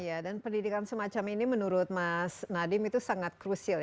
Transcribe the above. iya dan pendidikan semacam ini menurut mas nadiem itu sangat krusial ya